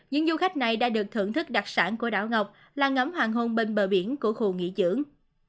những du khách này đã được thưởng thức đặc sản của đảo ngọc là ngấm hoàng hôn bên bờ biển của khu nghỉ dưỡng